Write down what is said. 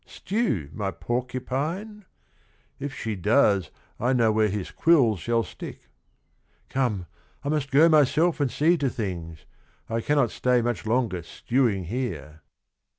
Stew my porcupine? If she does, I know where his quills shall stick I Oome, I must go myself and see to things: I cannot stay much longer stewing here.)